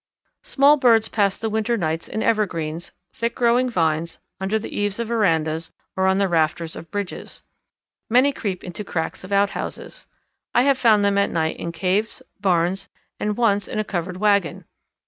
Small birds pass the winter nights in evergreens, thick growing vines, under the eaves of verandas, or on the rafters of bridges. Many creep into cracks of outhouses. I have found them at night in caves, barns, and once in a covered wagon.